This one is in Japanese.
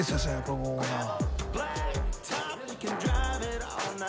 このオーナーは。